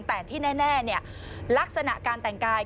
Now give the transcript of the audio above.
แต่ที่แน่ลักษณะการแต่งกาย